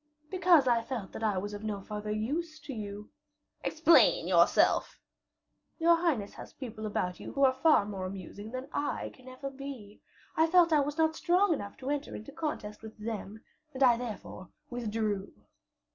"Because I felt that I was of no further use to you." "Explain yourself." "Your highness has people about you who are far more amusing that I can ever be. I felt I was not strong enough to enter into contest with them, and I therefore withdrew."